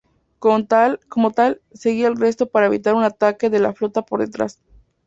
Como tal, seguía al resto para evitar un ataque de la flota por detrás.